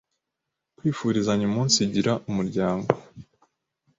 Kwifurizanya umunsigira umuryango